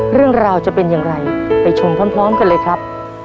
เรื่องราวจะเป็นอย่างไรไปชมพร้อมกันเลยครับ